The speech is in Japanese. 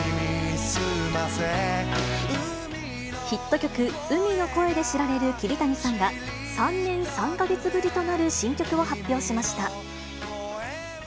ヒット曲、海の声で知られる桐谷さんが、３年３か月ぶりとなる新曲を発表しました。